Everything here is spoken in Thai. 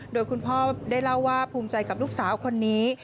โดยคุณพ่อได้เล่าว่าภูมิใจกับลูกสาวคนนี้